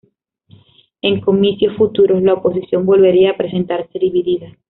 En comicios futuros, la oposición volvería a presentarse dividida.